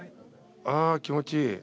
ああ気持ちいい。